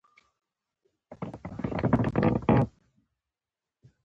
هغې د حساس لاره په اړه خوږه موسکا هم وکړه.